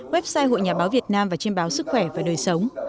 website hội nhà báo việt nam và trên báo sức khỏe và đời sống